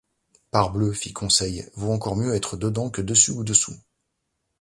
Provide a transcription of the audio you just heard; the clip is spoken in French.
Parbleu ! fit Conseil, vaut encore mieux être dedans que dessus ou dessous !